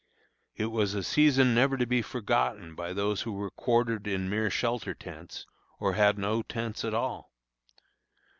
It was a season never to be forgotten by those who were quartered in mere shelter tents, or had no tents at all.